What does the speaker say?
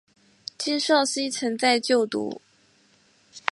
金昭希曾在就读。